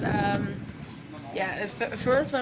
tidak terlalu takut untuk berdekatan